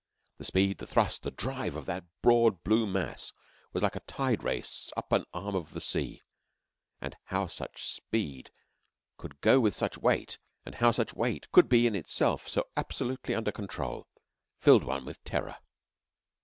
The speed, the thrust, the drive of that broad blue mass was like a tide race up an arm of the sea; and how such speed could go with such weight, and how such weight could be in itself so absolutely under control, filled one with terror.